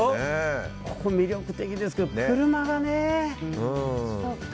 ここ、魅力的ですけど車がね。